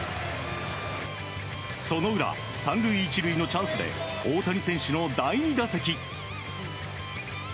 その裏、３塁１塁のチャンスで大谷選手の第２打席。